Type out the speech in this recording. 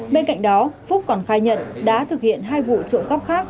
bên cạnh đó phúc còn khai nhận đã thực hiện hai vụ trộm cắp khác